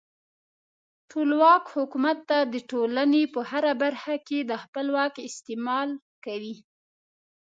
ټولواک حکومت د ټولنې په هره برخه کې د خپل واک استعمال کوي.